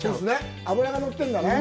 脂が乗ってるんだね。